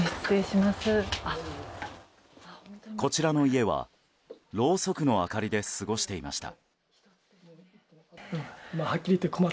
こちらの家は、ろうそくの明かりで過ごしていました。